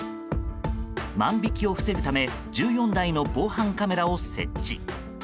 万引きを防ぐため１４台の防犯カメラを設置。